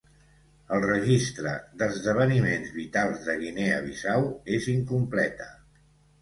El registre d'esdeveniments vitals de Guinea Bissau és incompleta.